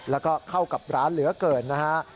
แล้วก็เข้ากับร้านเหลือเกินนะฮะ